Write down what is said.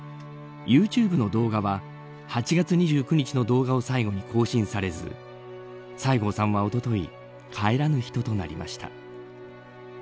ユーチューブの動画は８月２９日の動画を最後に更新されず西郷さんは、おととい帰らぬ人となりました。